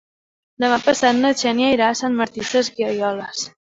Demà passat na Xènia irà a Sant Martí Sesgueioles.